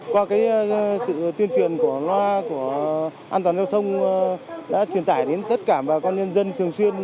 qua sự tuyên truyền của loa của an toàn giao thông đã truyền tải đến tất cả bà con nhân dân thường xuyên